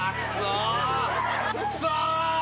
クソ！